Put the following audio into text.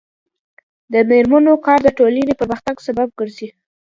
د میرمنو کار د ټولنې پرمختګ سبب ګرځي.